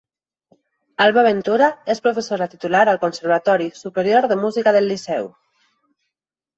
Alba Ventura és professora titular al Conservatori Superior de Música del Liceu.